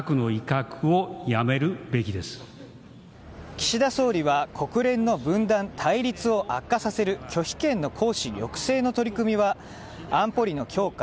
岸田総理は国連の分断・対立を悪化させる拒否権の行使抑制の取り組みは安保理の強化